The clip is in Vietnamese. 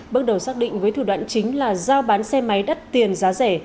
bước đầu xác định với thủ đoạn chính là giao bán xe máy đắt tiền giá rẻ